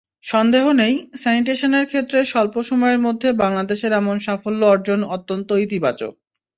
সন্দেহ নেই, স্যানিটেশনের ক্ষেত্রে স্বল্প সময়ের মধ্যে বাংলাদেশের এমন সাফল্য অর্জন অত্যন্ত ইতিবাচক।